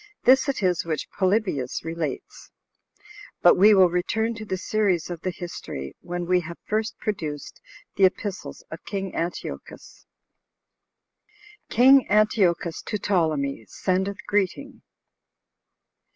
This it is which Polybius relates. But we will return to the series of the history, when we have first produced the epistles of king Antiochus. King Antiochus To Ptolemy, Sendeth Greeting.